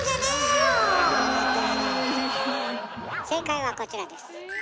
正解はこちらです。